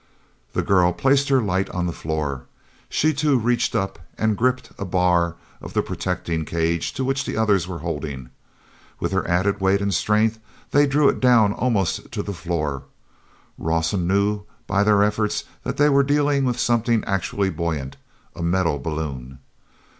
The girl placed her light on the floor. She, too, reached up and gripped a bar of the protecting cage to which the others were holding. With her added weight and strength they drew it down almost to the floor. Rawson knew by their efforts that they were dealing with something actually buoyant, a metal balloon.